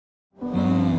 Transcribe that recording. うん。